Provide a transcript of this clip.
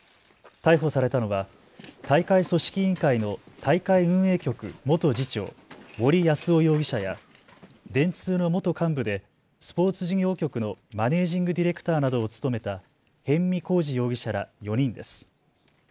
逮捕されたのは大会組織委員会の大会運営局元次長、森泰夫容疑者や電通の元幹部でスポーツ事業局のマネージング・ディレクターなどを務めた逸見晃治容疑者ら４人です。